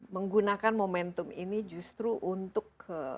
menggunakan momentum ini justru untuk